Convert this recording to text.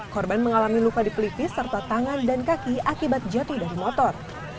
korban mengalami luka di pelipis serta tangan dan kaki akibat jatuh dari motor